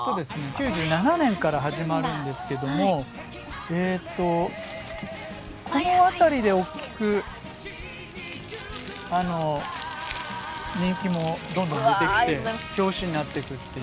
９７年から始まるんですけどもえっとこの辺りで大きくあの人気もどんどん出てきて表紙になってくっていう。